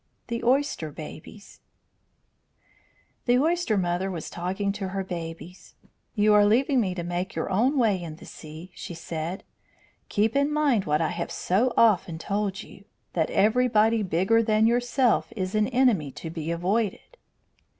THE OYSTER BABIES The Oyster Mother was talking to her babies. "You are leaving me to make your own way in the sea," she said. "Keep in mind what I have so often told you, that everybody bigger than yourself is an enemy to be avoided.